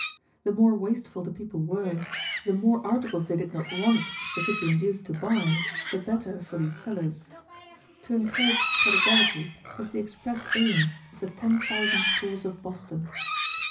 The more wasteful the people were, the more articles they did not want which they could be induced to buy, the better for these sellers. To encourage prodigality was the express aim of the ten thousand stores of Boston.